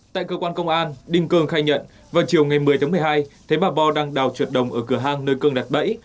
tại cơ quan công an đinh cương khai nhận vào chiều ngày một mươi tháng một mươi hai thấy bà bo đang đào trượt đồng ở cửa hang nơi cương đặt bẫy